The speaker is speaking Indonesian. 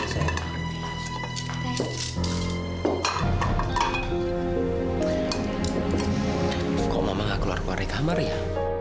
kau mau mengaku keluar dari kamar ya